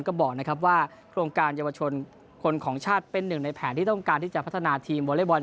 ก็บอกนะครับว่าโครงการเยาวชนคนของชาติเป็นหนึ่งในแผนที่ต้องการที่จะพัฒนาทีมวอเล็กบอล